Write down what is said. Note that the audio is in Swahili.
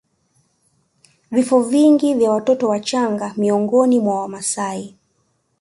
Vifo vingi vya watoto wachanga miongoni mwa Wamasai